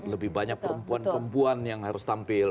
lebih banyak perempuan perempuan yang harus tampil